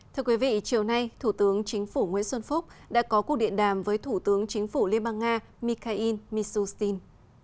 thưa quý vị chiều nay thủ tướng chính phủ nguyễn xuân phúc đã có cuộc điện đàm với thủ tướng chính phủ liên bang nga mikhail mishustin